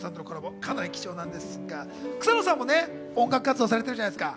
かなり貴重なんですが、草野さんも音楽活動されてるじゃないですか？